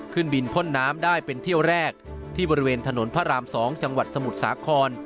ขึ้นบินพ่นน้ำได้เป็นเที่ยวแรกที่บริเวณถนนพระราม๒จังหวัดสมุทรสาคร